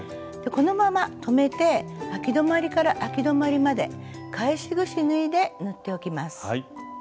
このまま留めてあき止まりからあき止まりまで返しぐし縫いで縫っておきます。